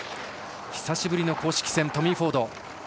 久しぶりの公式戦トミー・フォード。